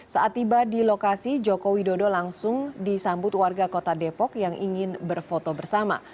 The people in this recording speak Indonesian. saat tiba di lokasi joko widodo langsung disambut warga kota depok yang ingin berfoto bersama